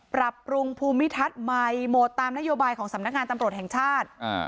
ปรับปรุงภูมิทัศน์ใหม่หมดตามนโยบายของสำนักงานตำรวจแห่งชาติ